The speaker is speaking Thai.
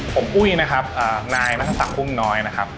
ผมอุ๊ยนะครับนายนักศึกษาภูมิน้อยนะครับ